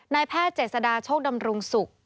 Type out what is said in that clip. นายแพทย์เจษฎาโชคดำรุงศุกร์